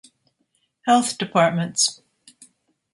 Health Depts